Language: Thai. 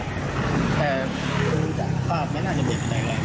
แต่คนขับไม่น่าจะเบรกแตกเลย